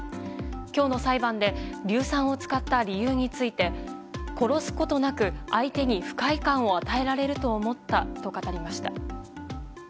今日の裁判で硫酸を使った理由について殺すことなく相手に不快感を与えられると思ったと語りました。